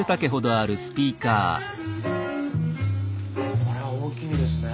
これは大きいですね。